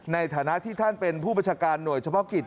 ในฐานะที่ท่านเป็นผู้บัญชาการหน่วยเฉพาะกิจ